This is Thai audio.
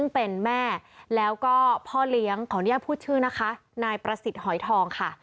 เป็นแม่แล้วก็พ่อเลี้ยงขออนุญาตพูดชื่อนะคะนายประสิทธิ์หอยทองค่ะ